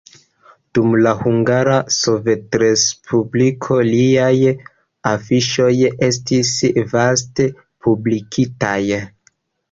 Dum la Hungara Sovetrespubliko liaj afiŝoj estis vaste publikitaj.